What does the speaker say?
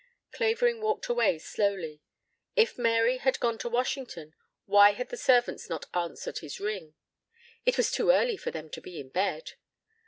Clavering walked away slowly. If Mary had gone to Washington, why had the servants not answered his ring? It was too early for them to be in bed.